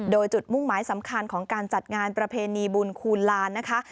โดยจุดมุ่งหมายสำคัญของการจัดงานประเพณีบุญคูณลานนะคะ